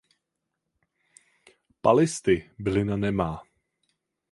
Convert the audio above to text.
Palisty bylina nemá.